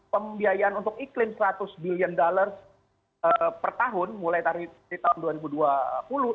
pembiayaan untuk iklim seratus billion dollar per tahun mulai dari tahun dua ribu dua puluh